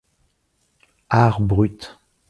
Art Brut!